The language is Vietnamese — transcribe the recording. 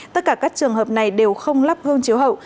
tất cả các trường hợp này đều không lắp gương chiếu hậu